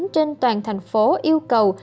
trên toàn thành phố yêu cầu